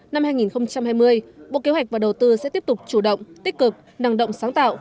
năm hai nghìn hai mươi bộ kế hoạch và đầu tư sẽ tiếp tục chủ động tích cực năng động sáng tạo